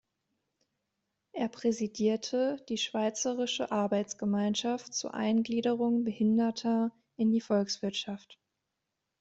Er präsidierte die «Schweizerische Arbeitsgemeinschaft zur Eingliederung Behinderter in die Volkswirtschaft».